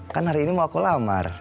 kan hari ini mau aku lamar